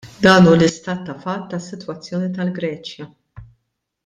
Dan hu l-istat ta' fatt tas-sitwazzjoni tal-Greċja.